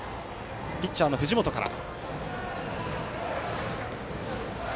ピッチャーの藤本から。